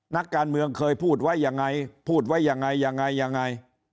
นักการเมืองเคยพูดไว้ยังไงพูดไว้ยังไงยังไง